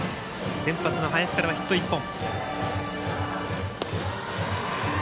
先発の林からはヒット１本。